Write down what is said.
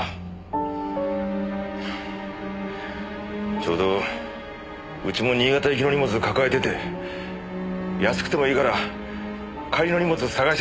ちょうどうちも新潟行きの荷物抱えてて安くてもいいから帰りの荷物を探してたんだ。